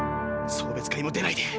送別会も出ないで。